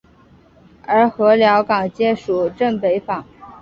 而禾寮港街属镇北坊。